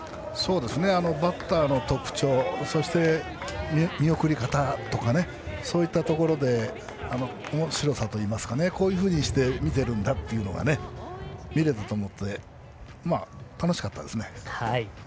バッターの特徴そして見送り方とかそういったところでおもしろさといいますかこういうふうにして見ているんだというのが見れたと思って楽しかったですね。